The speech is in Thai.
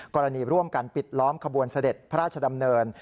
ร่วมกันปิดล้อมขบวนเสด็จพระราชดำเนิน